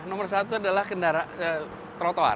nomor satu adalah kendaraan trotoar